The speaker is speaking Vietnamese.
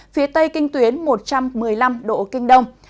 phía tây kinh tuyến một trăm một mươi năm độ kinh đông